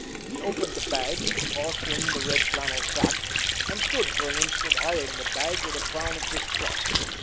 He opened the bag, tossed in the red flannel sack—and stood for an instant eyeing the bag with a frown of distrust.